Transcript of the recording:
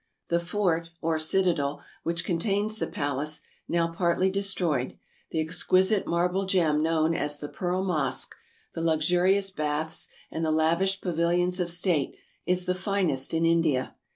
The fort, or citadel — which contains the palace, now partly destroyed, the exquisite marble gem known as the Pearl Mosque, the luxurious baths, and the lavish pavilions of state — is the finest in India.